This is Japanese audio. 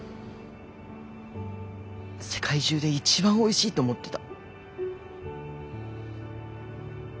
世界中で一番おいしいと思ってた。